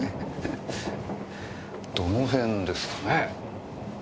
どの辺ですかねぇ？